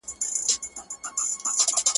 سره جمع وي په کور کي د خپلوانو٫